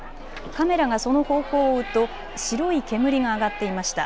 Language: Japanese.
カメラがその方向を追うと白い煙が上がっていました。